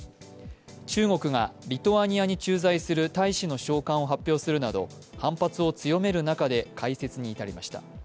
中国がリトアニアに駐在する大使の召喚を発表するなど反発を強める中で開設に至りました。